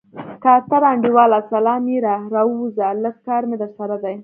کارتره انډيواله سلام يره راووځه لږ کار مې درسره دی.